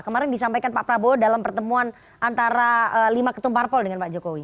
kemarin disampaikan pak prabowo dalam pertemuan antara lima ketumparpol dengan pak jokowi